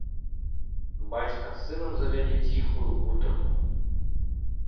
Бацька з сынам завялі ціхую гутарку.